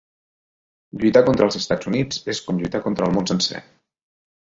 Lluitar contra els Estats Units és com lluitar contra el món sencer.